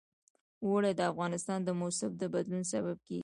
اوړي د افغانستان د موسم د بدلون سبب کېږي.